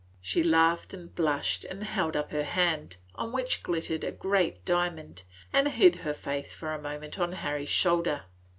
She laughed and blushed, and held up her hand, on which glittered a great diamond, and hid her face for a moment on Harry's shoulder.